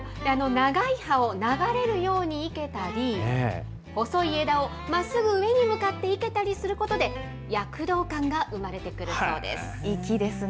長い葉を流れるように生けたり、細い枝をまっすぐ上に向かって生けたりすることで、躍動感が生まれてくるそうです。